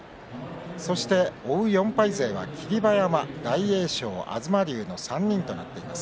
そして追う４敗勢は霧馬山、大栄翔、東龍の３人となっています。